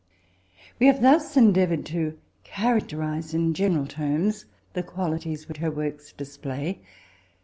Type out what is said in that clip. We have thus endeavoured to characterise, in general terms, the quatities which her works display.